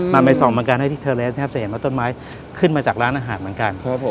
มาในส่องบางการให้ที่เธอแล้วนะครับจะเห็นว่าต้นไม้ขึ้นมาจากร้านอาหารเหมือนกัน